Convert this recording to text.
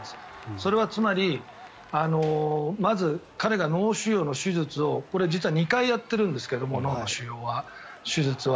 それはつまり、まず彼が脳腫瘍の手術をこれは実は２回やっているんですけど脳腫瘍の手術は。